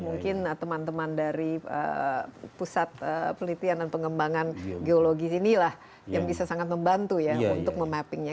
mungkin teman teman dari pusat penelitian dan pengembangan geologi sinilah yang bisa sangat membantu ya untuk memappingnya